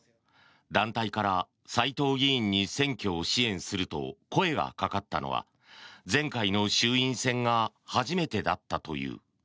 団体から斎藤議員に選挙を支援すると声がかかったのは前回の衆院選が初めてだったという。